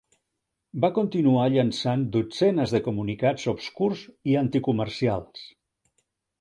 Va continuar llançant dotzenes de comunicats obscurs i anticomercials.